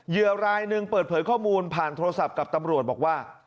รายหนึ่งเปิดเผยข้อมูลผ่านโทรศัพท์กับตำรวจบอกว่า